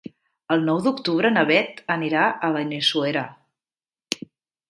El nou d'octubre na Beth anirà a Benissuera.